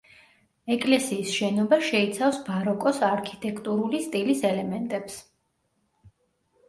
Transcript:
ეკლესიის შენობა შეიცავს ბაროკოს არქიტექტურული სტილის ელემენტებს.